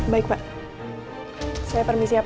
baik pak saya permisi ya pak